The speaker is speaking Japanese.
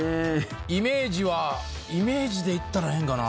イメージはイメージでいったらええんかな。